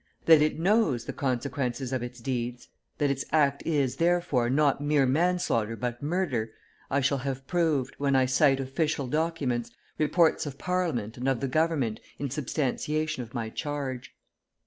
That it knows the consequences of its deeds; that its act is, therefore, not mere manslaughter, but murder, I shall have proved, when I cite official documents, reports of Parliament and of the Government, in substantiation of my charge.